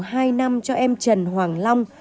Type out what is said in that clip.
hai năm cho em trần hoàng long